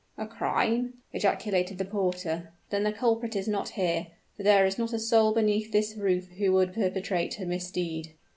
"A crime!" ejaculated the porter; "then the culprit is not here for there is not a soul beneath this roof who would perpetrate a misdeed."